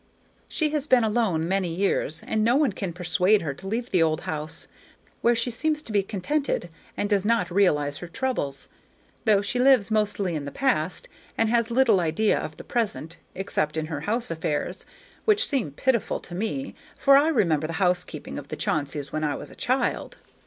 She has been alone many years, and no one can persuade her to leave the old house, where she seems to be contented, and does not realize her troubles; though she lives mostly in the past, and has little idea of the present, except in her house affairs, which seem pitiful to me, for I remember the housekeeping of the Chaunceys when I was a child.